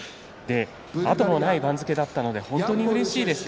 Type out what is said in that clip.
後のない番付だったので本当にうれしいですと。